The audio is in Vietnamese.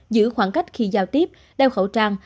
giữ khoảng cách khi giao tiếp đeo khẩu trang